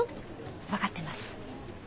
分かってます。